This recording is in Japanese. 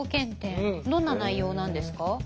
どんな内容なんですか？